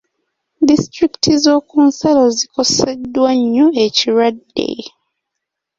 Disitulikiti z'okunsalo zikoseddwa nnyo ekirwadde.